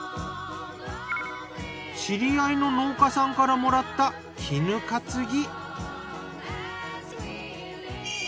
知り合いの農家さんからもらったきぬかつぎ。